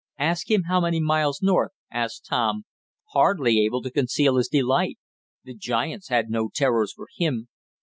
"Ask him how many miles north?" asked Tom, hardly able to conceal his delight. The giants had no terrors for him.